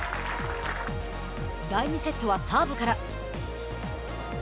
第２セットはサーブから。